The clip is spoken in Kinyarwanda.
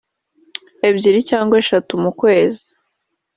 ebyiri cyangwa eshatu mu kwezi